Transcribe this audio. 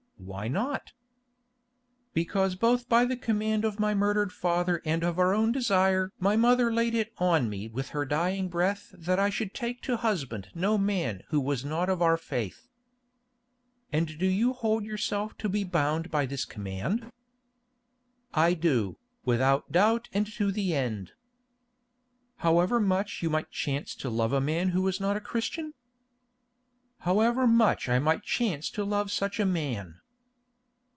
"Why not?" "Because both by the command of my murdered father and of her own desire my mother laid it on me with her dying breath that I should take to husband no man who was not of our faith." "And do you hold yourself to be bound by this command?" "I do, without doubt and to the end." "However much you might chance to love a man who is not a Christian?" "However much I might chance to love such a man."